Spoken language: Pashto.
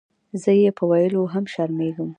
زۀ یې پۀ ویلو هم شرمېږم.